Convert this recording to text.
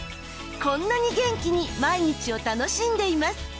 こんなに元気に毎日を楽しんでいます。